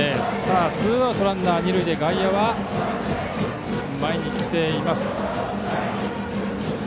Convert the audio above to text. ツーアウトランナー、二塁で外野は前に来ています。